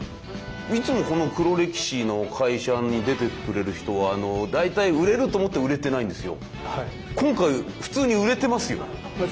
いつもこの「黒歴史」の会社に出てくれる人は大体売れると思って売れてないんですよ。